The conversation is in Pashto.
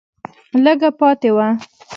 لږه پاتې وه